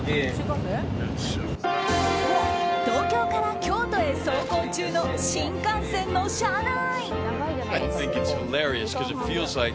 東京から京都へ走行中の新幹線の車内。